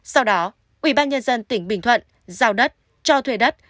sau đó ubnd tỉnh bình thuận giao đất cho thuê đất